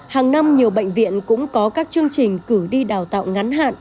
hàng năm nhiều bệnh viện cũng có các chương trình cử đi đào tạo ngắn hạn